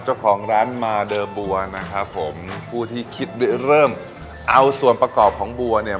เจ้าของร้านมาเดอร์บัวนะครับผมผู้ที่คิดเริ่มเอาส่วนประกอบของบัวเนี่ย